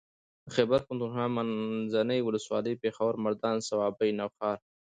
د خېبر پښتونخوا منځنۍ ولسوالۍ پېښور مردان صوابۍ نوښار